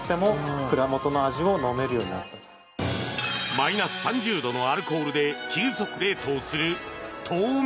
マイナス３０度のアルコールで急速冷凍する凍眠。